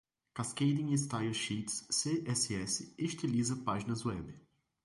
Cascading Style Sheets (CSS) estiliza páginas web.